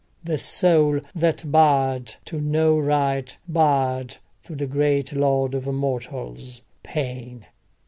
The soul that bowed to no right, bowed to the great lord of mortals, Pain.